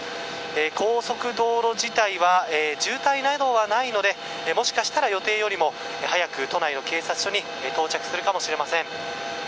高速道路自体は渋滞などはないのでもしかしたら予定より早く都内の警察署に到着するかもしれません。